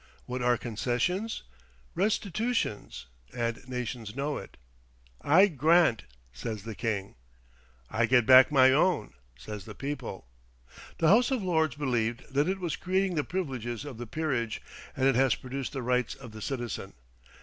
What are concessions? Restitutions; and nations know it. "I grant," says the king. "I get back my own," says the people. The House of Lords believed that it was creating the privileges of the peerage, and it has produced the rights of the citizen.